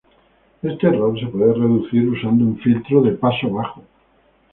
Este error se puede reducir usando un filtro de paso bajo.